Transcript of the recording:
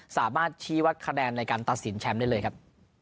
สามารถชี้วัดคะแนนในการตัดสินแชมป์ได้เลยครับ